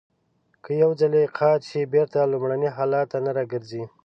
که یو ځلی قات شي بېرته لومړني حالت ته نه را گرځي.